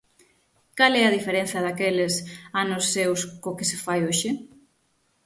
Cal é a diferenza daqueles anos seus co que se fai hoxe?